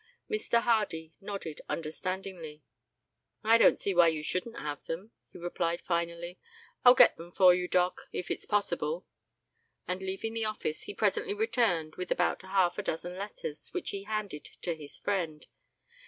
Mr. Hardy nodded understandingly. "I don't see why you shouldn't have them," he replied finally; "I'll get them for you, doc, if it's possible," and, leaving the office, he presently returned with about half a dozen letters, which he handed to his friend.